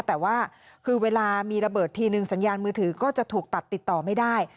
แต่ว่าคือเวลามีระเบิดทีนึงสัญญาณมือถือก็จะถูกตัดติดต่อไม่ได้